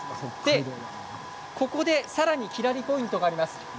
ここでさらにきらりポイントがあります。